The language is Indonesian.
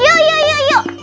yuk yuk yuk yuk